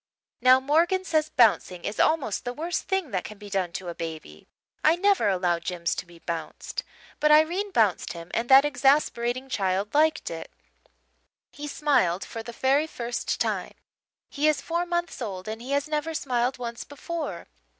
Now, Morgan says bouncing is almost the worst thing that can be done to a baby. I never allow Jims to be bounced. But Irene bounced him and that exasperating child liked it. He smiled for the very first time. He is four months old and he has never smiled once before.